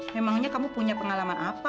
memangnya kamu punya pengalaman apa